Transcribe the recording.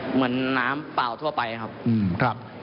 เหมือนน้ำเปล่าทั่วไปครับ